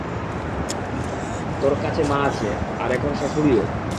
তোর কাছে মা আছে, আর এখন শ্বাশুড়িও।